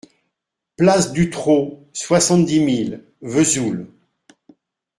Place du Trau, soixante-dix mille Vesoul